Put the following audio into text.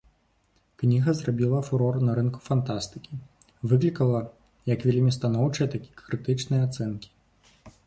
Кніга зрабіла фурор на рынку фантастыкі, выклікала як вельмі станоўчыя, так і крытычныя ацэнкі.